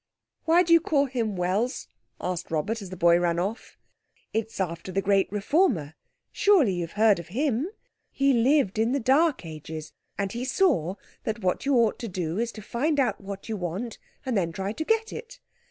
"Why do you call him 'Wells'?" asked Robert, as the boy ran off. "It's after the great reformer—surely you've heard of him? He lived in the dark ages, and he saw that what you ought to do is to find out what you want and then try to get it.